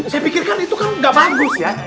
saya pikirkan itu kan gak bagus ya